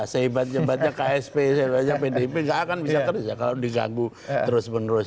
sehebat hebatnya ksp sehebatnya pdip nggak akan bisa kerja kalau diganggu terus menerus